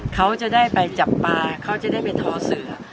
เขาจะได้ไปจับปลาเขาจะได้ไปทอเสือ